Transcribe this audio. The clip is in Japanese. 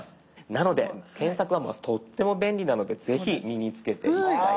なので検索はとっても便利なので是非身につけて頂きたい。